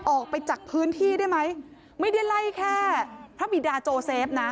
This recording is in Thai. ออกไปจากพื้นที่ได้ไหมไม่ได้ไล่แค่พระบิดาโจเซฟนะ